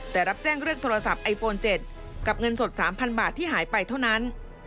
แต่รับแจ้งเรื่องโทรศัพท์ไอโฟน๗กับเงินสด๓๐๐บาทที่หายไปเท่านั้น